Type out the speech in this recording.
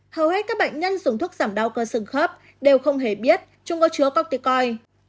hầu hết các bệnh nhân dùng thuốc giảm đau cơ sừng khớp đều không hề biết chúng có chứa corticoin